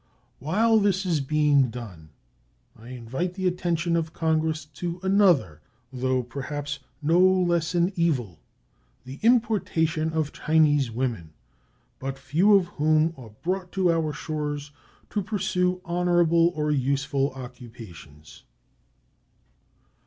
While this is being done I invite the attention of Congress to another, though perhaps no less an evil the importation of Chinese women, but few of whom are brought to our shores to pursue honorable or useful occupations.